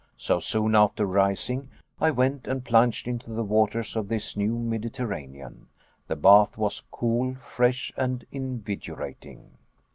So, soon after rising, I went and plunged into the waters of this new Mediterranean. The bath was cool, fresh and invigorating.